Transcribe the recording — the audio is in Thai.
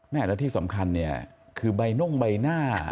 แล้วที่สำคัญเนี่ยคือใบน่งใบหน้า